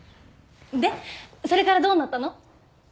でそれからどうなったの？